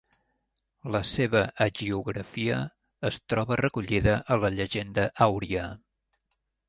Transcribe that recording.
La seva hagiografia es troba recollida a la Llegenda àuria.